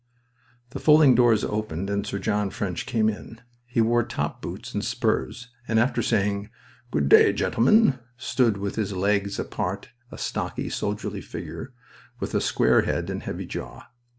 The folding doors opened and Sir John French came in. He wore top boots and spurs, and after saying, "Good day, gentlemen," stood with his legs apart, a stocky, soldierly figure, with a square head and heavy jaw.